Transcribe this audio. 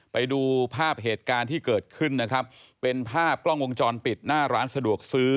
ไปดูภาพเหตุการณ์ที่เกิดขึ้นนะครับเป็นภาพกล้องวงจรปิดหน้าร้านสะดวกซื้อ